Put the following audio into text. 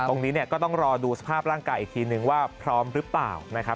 ตรงนี้เนี่ยก็ต้องรอดูสภาพร่างกายอีกทีนึงว่าพร้อมหรือเปล่านะครับ